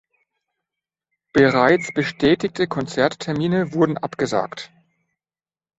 Bereits bestätigte Konzerttermine wurden abgesagt.